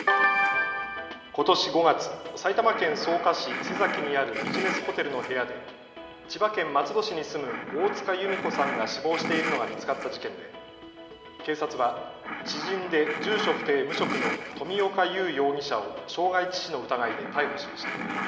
ことし５月、埼玉県草加市瀬崎にあるビジネスホテルの部屋で千葉県松戸市に住む大塚由美子さんが死亡しているのが見つかった事件で警察は知人で住所不定、無職の冨岡勇容疑者を傷害致死の疑いで逮捕しました。